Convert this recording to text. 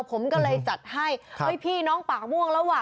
ผมก็เลยจัดให้เฮ้ยพี่น้องปากม่วงแล้วว่